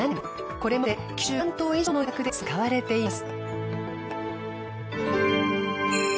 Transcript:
これまで９５万棟以上の住宅で使われています。